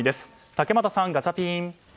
竹俣さん、ガチャピン！